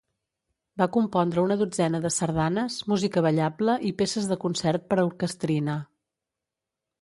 Va compondre una dotzena de sardanes, música ballable i peces de concert per a orquestrina.